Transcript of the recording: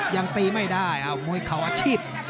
ยังตีไม่ได้มวยเขาอาชีพ